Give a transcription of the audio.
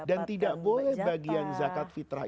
dan tidak boleh bagian zakat fitrah